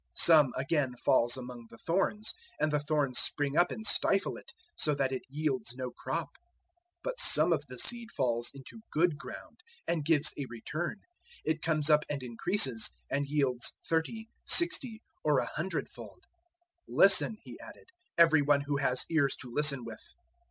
004:007 Some, again, falls among the thorns; and the thorns spring up and stifle it, so that it yields no crop. 004:008 But some of the seed falls into good ground, and gives a return: it comes up and increases, and yields thirty, sixty, or a hundred fold." 004:009 "Listen," He added, "every one who has ears to listen with!"